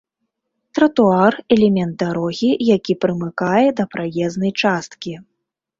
Тратуар — элемент дарогі, які прымыкае да праезнай часткі